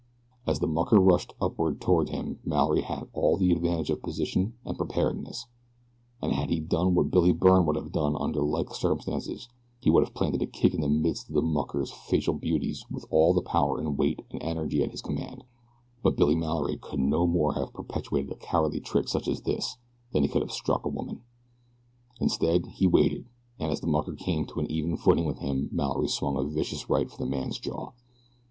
As the mucker rushed upward toward him Mallory had all the advantage of position and preparedness, and had he done what Billy Byrne would have done under like circumstances he would have planted a kick in the midst of the mucker's facial beauties with all the power and weight and energy at his command; but Billy Mallory could no more have perpetrated a cowardly trick such as this than he could have struck a woman. Instead, he waited, and as the mucker came on an even footing with him Mallory swung a vicious right for the man's jaw.